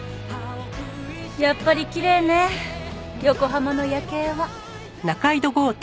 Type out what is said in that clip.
やっぱりきれいね横浜の夜景は。